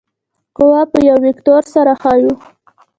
قوه په یو وکتور سره ښیو.